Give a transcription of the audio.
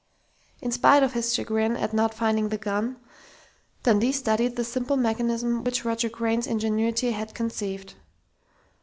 In spite of his chagrin at not finding the gun, Dundee studied the simple mechanism which Roger Crain's ingenuity had conceived.